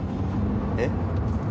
えっ？